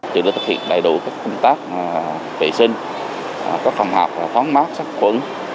chúng tôi thực hiện đầy đủ các công tác vệ sinh các phòng học phóng mát sát quẩn